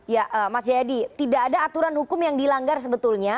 ya mas jayadi tidak ada aturan hukum yang dilanggar sebetulnya